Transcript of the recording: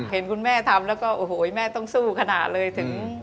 เห็นคุณแม่ทำแล้วก็โอ้โหแม่ต้องสู้ขนาดเลยถึง